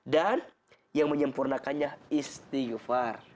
dan yang menyempurnakannya istighfar